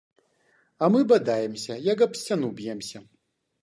А мы бадаемся, як аб сцяну б'емся.